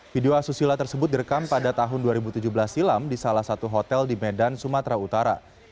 video asusila tersebut direkam pada tahun dua ribu tujuh belas silam di salah satu hotel di medan sumatera utara